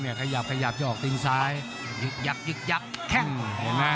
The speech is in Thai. ยึกยับยึกยับแข้ง